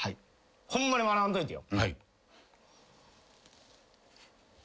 ホンマに笑わんといてよ。